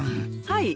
はい。